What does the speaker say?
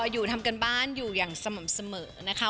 อยู่ทำการบ้านอยู่อย่างสม่ำเสมอนะคะ